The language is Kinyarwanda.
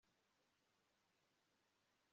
igihe cyo gusaba kigeze